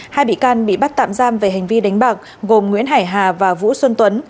hai bị can bị bắt tạm giam về hành vi đánh bạc gồm nguyễn hải hà và vũ xuân tuấn